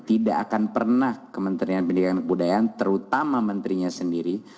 tidak akan pernah kementerian pendidikan dan kebudayaan terutama menterinya sendiri